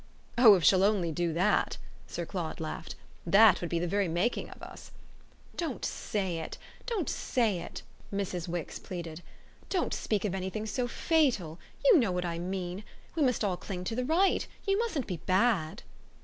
"Oh if she'll only do that!" Sir Claude laughed. "That would be the very making of us!" "Don't say it don't say it!" Mrs. Wix pleaded. "Don't speak of anything so fatal. You know what I mean. We must all cling to the right. You mustn't be bad."